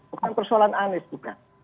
bukan persoalan aneh juga